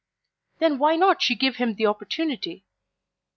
Then why not give him the opportunity?